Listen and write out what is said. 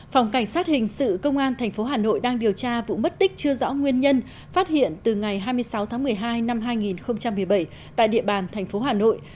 phòng cảnh sát hình sự công an tp hà nội đang điều tra vụ mất tích chưa rõ nguyên nhân phát hiện từ ngày hai mươi sáu tháng một mươi hai năm hai nghìn một mươi bảy tại địa bàn thành phố hà nội